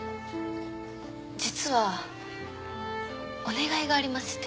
実はお願いがありまして。